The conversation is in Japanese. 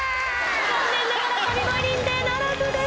残念ながら神声認定ならずです。